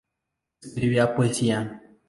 Escribía poesía.